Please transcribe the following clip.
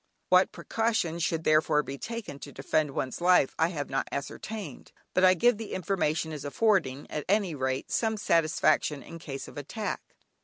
What precautions should therefore be taken to defend one's life I have not ascertained, but I give the information as affording at any rate some satisfaction in case of attack.